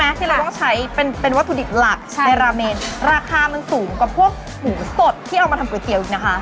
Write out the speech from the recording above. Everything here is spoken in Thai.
ที่เราต้องใช้เป็นเป็นวัตถุดิบหลักใช่ในราเมนราคามันสูงกว่าพวกหมูสดที่เอามาทำก๋วเตี๋ยอีกนะคะ